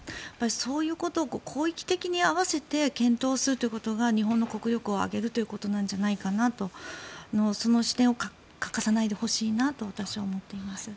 そういうことを広域的に合わせて検討するということが日本の国力を上げるということなんじゃないかなとその視点を欠かさないでほしいなと私は思っています。